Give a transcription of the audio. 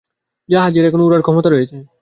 জাহাজের এখনও উড়ার ক্ষমতা রয়েছে।